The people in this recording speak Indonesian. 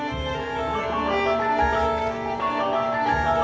ada yang berarti anda dalam kondisi aman